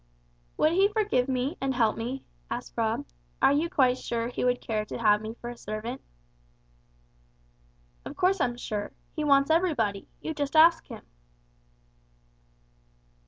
"Would He forgive me, and help me?" asked Rob; "are you quite sure He would care to have me for a servant?" "Of course I'm sure. He wants everybody. You just ask Him."